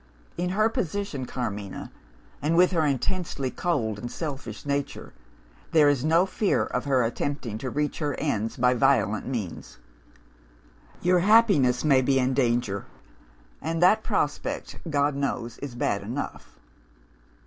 'In her position, Carmina, and with her intensely cold and selfish nature, there is no fear of her attempting to reach her ends by violent means. Your happiness may be in danger and that prospect, God knows, is bad enough.